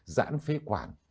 giãn phế khoảng